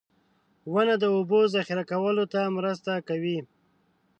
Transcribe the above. • ونه د اوبو ذخېره کولو ته مرسته کوي.